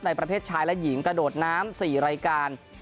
ประเภทชายและหญิงกระโดดน้ำ๔รายการ